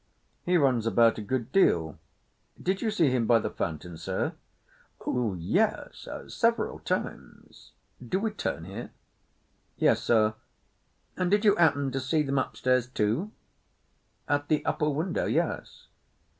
"He runs about a good deal. Did you see him by the fountain, Sir?" "Oh, yes, several times. Do we turn here?" "Yes, Sir. And did you 'appen to see them upstairs too?" "At the upper window? Yes."